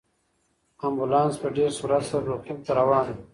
امبولانس په ډېر سرعت سره روغتون ته روان و.